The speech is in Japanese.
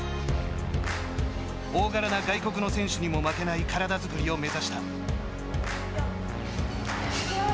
大柄な外国の選手にも負けない体作りを目指した。